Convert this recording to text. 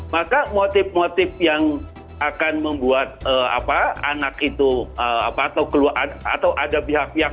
maka motif motif yang akan membuat anak itu atau ada pihak pihak